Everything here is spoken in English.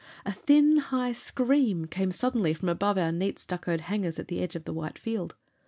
A thin, high scream came suddenly from above our neat stuccoed hangars at the edge of the white field.